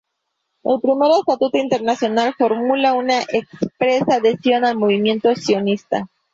El primer Estatuto institucional formula una expresa adhesión al Movimiento Sionista.